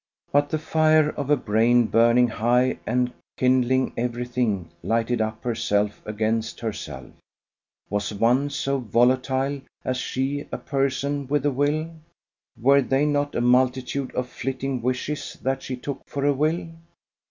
But the fire of a brain burning high and kindling everything lighted up herself against herself. Was one so volatile as she a person with a will? Were they not a multitude of flitting wishes that she took for a will?